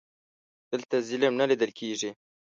دلته ظلم نه لیده کیږي.